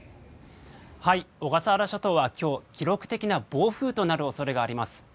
小笠原諸島は今日記録的な暴風となる恐れがあります。